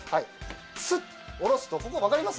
スッ下ろすとここ分かります？